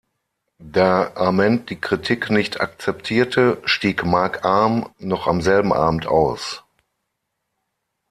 Da Ament die Kritik nicht akzeptierte, stieg Mark Arm noch am selben Abend aus.